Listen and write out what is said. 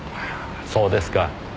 そうですか。